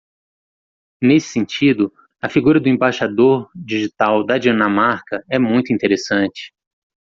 Nesse sentido, a figura do embaixador digital da Dinamarca é muito interessante.